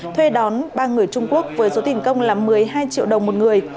thuê đón ba người trung quốc với số tiền công là một mươi hai triệu đồng một người